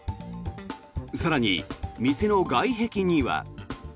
更に、店の外壁には。